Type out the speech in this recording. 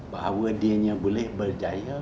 bahwa dia yang boleh berjaya